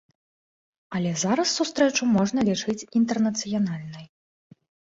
Але зараз сустрэчу можна лічыць інтэрнацыянальнай.